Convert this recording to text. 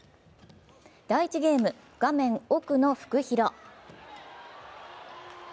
第１ゲーム、画面奥のフクヒロ。